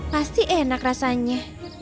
pasti enak rasanya